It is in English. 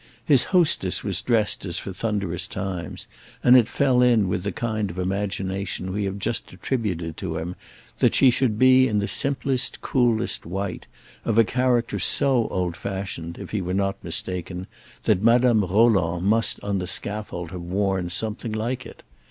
His hostess was dressed as for thunderous times, and it fell in with the kind of imagination we have just attributed to him that she should be in simplest coolest white, of a character so old fashioned, if he were not mistaken, that Madame Roland must on the scaffold have worn something like it.